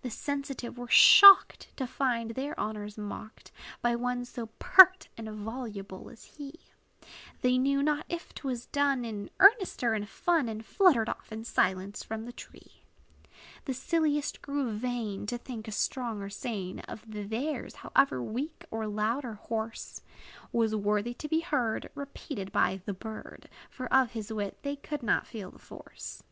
The sensitive were shocked, To find their honors mocked By one so pert and voluble as he; They knew not if 't was done In earnest or in fun; And fluttered off in silence from the tree. The silliest grew vain, To think a song or strain Of theirs, however weak, or loud, or hoarse, Was worthy to be heard Repeated by the bird; For of his wit they could not feel the force.